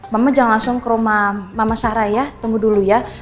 mama jangan langsung ke rumah mama sarah ya tunggu dulu ya